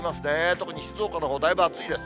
特に静岡のほう、だいぶ暑いです。